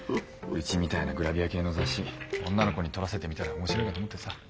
うちみたいなグラビア系の雑誌女の子に撮らせてみたら面白いかと思ってさ。